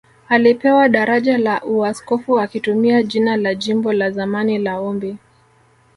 Alipewa daraja la Uaskofu akitumia jina la jimbo la zamani la Ombi